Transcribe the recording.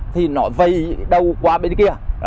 thì nó vây đầu qua bên kia